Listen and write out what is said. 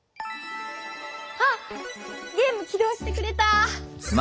あっゲーム起動してくれた！